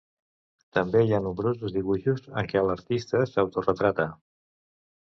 També hi ha nombrosos dibuixos en què l'artista s'autoretrata.